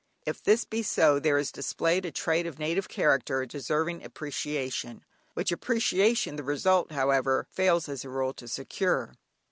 If this be so, there is displayed a trait of native character deserving appreciation which appreciation the result, however, fails as a rule to secure.